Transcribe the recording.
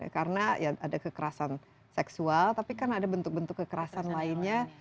karena ya ada kekerasan seksual tapi kan ada bentuk bentuk kekerasan lainnya